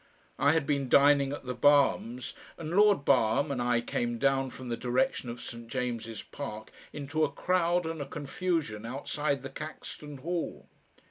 I had been dining at the Barham's, and Lord Barham and I came down from the direction of St. James's Park into a crowd and a confusion outside the Caxton Hall.